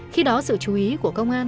khi đó sự chú ý của công an